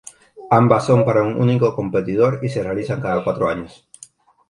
Ambas son para un único competidor y se realizan cada cuatro años.